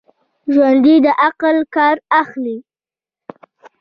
ژوندي د عقل کار اخلي